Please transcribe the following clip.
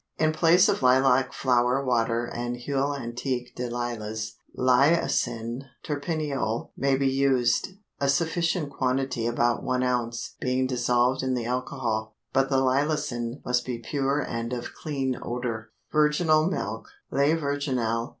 In place of lilac flower water and huile antique de lilas, lilacin (terpineol) may be used, a sufficient quantity (about 1 oz.) being dissolved in the alcohol. But the lilacin must be pure and of clean odor. VIRGINAL MILK (LAIT VIRGINAL).